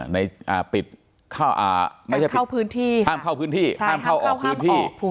กับเข้าพื้นที่ใช่ห้ามเข้าออกพื้นที่